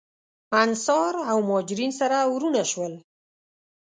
انصار او مهاجرین سره وروڼه شول.